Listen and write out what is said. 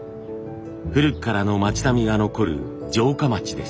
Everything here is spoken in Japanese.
古くからの町並みが残る城下町です。